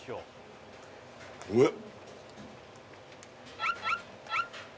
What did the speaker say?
うわっ